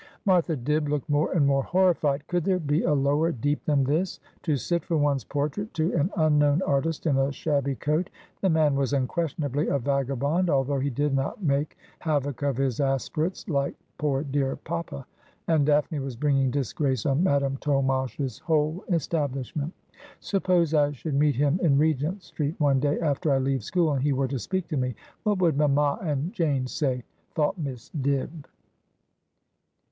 Martha Dibb looked more and more horrified. Could there be a lower deep than this ? To sit for one's portrait to an un known artist in a shabby coat. The man was unquestionably a vagabond, although he did not make havoc of his aspirates like poor dear papa ; and Daphne was bringing disgrace on Madame Tolmache's whole establishment. ' Suppose I should meet him in Regent Street one day after I leave school, and he were to speak to me, what would mamma and Jane say ?' thought Miss Dibb.